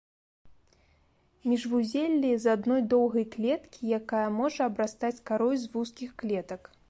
Міжвузеллі з адной доўгай клеткі, якая можа абрастаць карой з вузкіх клетак.